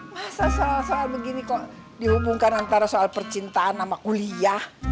masa soal soal begini kok dihubungkan antara soal percintaan sama kuliah